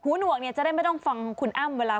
หูหนวกจะได้ไม่ต้องฟังคุณอ้ำ